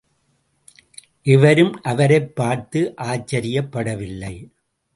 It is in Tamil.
எவரும் அவரைப் பார்த்து ஆச்சரியப்படவில்லை.